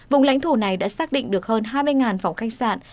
vùng lãnh thổ này đã xác định được hơn hai mươi phòng khách sạn